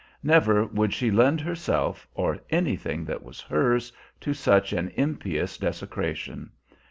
Never would she lend herself, or anything that was hers, to such an impious desecration!